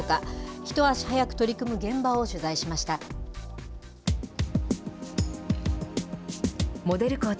一足早く取り組む現場を取材しました。